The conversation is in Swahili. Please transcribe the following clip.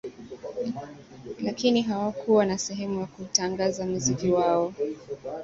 Lakini hawakuwa na sehemu ya kuutangaza muziki wao